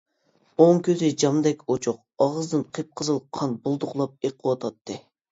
ئوڭ كۆزى جامدەك ئوچۇق، ئاغزىدىن قىپقىزىل قان بۇلدۇقلاپ ئېقىۋاتاتتى.